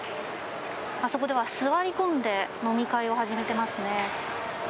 あそこでは座り込んで飲み会を始めていますね。